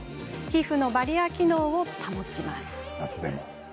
皮膚のバリアー機能を保ちます。